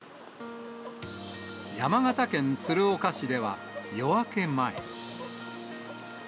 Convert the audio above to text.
山形県鶴岡市では、夜明け前。